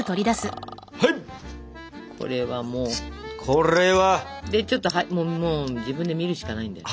これは！でちょっともう自分で見るしかないんだよね。